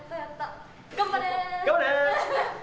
頑張れ。